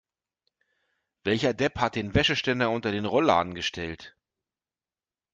Welcher Depp hat den Wäscheständer unter den Rollladen gestellt?